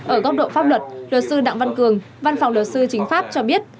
ở góc độ pháp luật luật sư đặng văn cường văn phòng luật sư chính pháp cho biết